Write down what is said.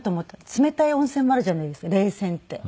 冷たい温泉もあるじゃないですか冷泉って。